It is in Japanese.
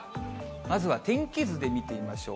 まずは天気図で見てみましょう。